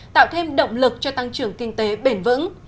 tạo thêm động lực cho tăng trưởng kinh tế bền vững